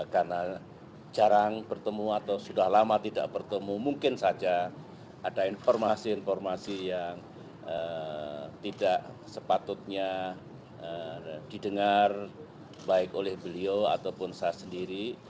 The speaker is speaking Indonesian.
karena jarang bertemu atau sudah lama tidak bertemu mungkin saja ada informasi informasi yang tidak sepatutnya didengar baik oleh beliau ataupun saya sendiri